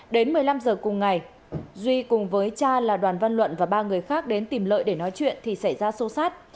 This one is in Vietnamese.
đến một mươi năm giờ cùng ngày duy cùng với cha là đoàn văn luận và ba người khác đến tìm lợi để nói chuyện thì xảy ra xô xát